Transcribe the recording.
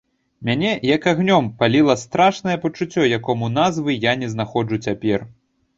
Мяне, як агнём, паліла страшнае пачуццё, якому назвы я не знаходжу цяпер.